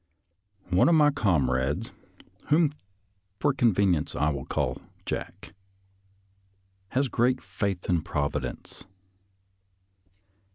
»♦« One of my comrades, whom for convenience I will call Jack, has great faith in Providence.